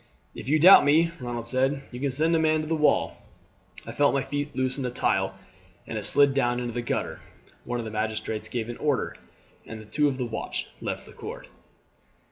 "If you doubt me," Ronald said, "you can send a man to the wall. I felt my feet loosen a tile and it slid down into the gutter." One of the magistrates gave an order, and two of the watch left the court.